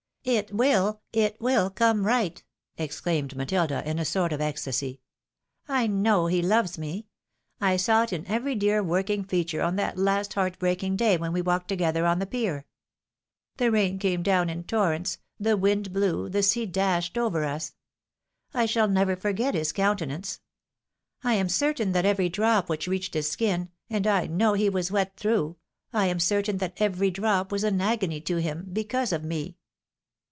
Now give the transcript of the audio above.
," It will, it win come right !" exclaimed Matilda, in a sort A CAUSE FOR THANKFULNESS. 275 of ecstasy. "I know lie loves me! — I saw it in every dear working feature on that last heart breaking day when we walked together on the pier. The rain came down in torrents, the wind blew, the sea dashed over us. I never shall forget his counten ance. I am certain that every drop which reached his skin — and I know he was wet through — ^I am certain that every drop was an agony to him, because of me."